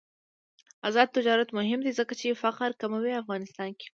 آزاد تجارت مهم دی ځکه چې فقر کموي افغانستان کې.